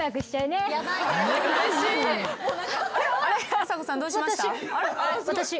あさこさんどうしました？